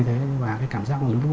đã đưa vụ án ra xét xử